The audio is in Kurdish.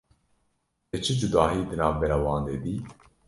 Te çi cudahî di navbera wan de dît?